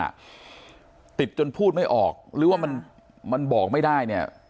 ติดคอแบบลักษณะติดจนพูดไม่ออกหรือว่ามันมันบอกไม่ได้เนี่ย